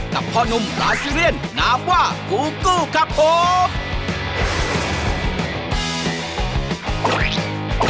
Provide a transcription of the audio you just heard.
กับพ่อนุ่มพลายซีเรียนนามว่ากูกู้ครับผม